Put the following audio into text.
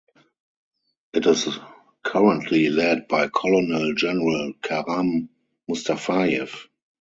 It is currently led by Colonel General Karam Mustafayev.